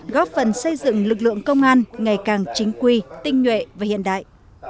góp phần xây dựng lực lượng công an ngày càng chính quy tinh nhuệ và hiện đại